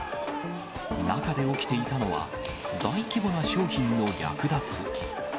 中で起きていたのは、大規模な商品の略奪。